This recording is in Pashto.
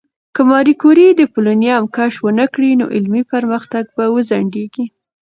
که ماري کوري د پولونیم کشف ونکړي، نو علمي پرمختګ به وځنډېږي.